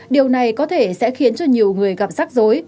điều này có thể sẽ khiến cho nhiều người gặp rắc rối